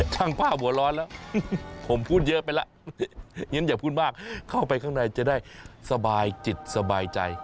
ช่างป้าหัวร้อนแล้วผมพูดเยอะไปแล้วงั้นอย่าพูดมากเข้าไปข้างในจะได้สบายจิตสบายใจ